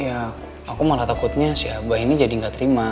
ya aku malah takutnya si abah ini jadi gak terima